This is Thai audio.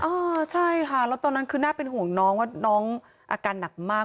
อ่าใช่ค่ะแล้วตอนนั้นคือน่าเป็นห่วงน้องว่าน้องอาการหนักมาก